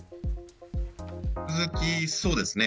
続きそうですね。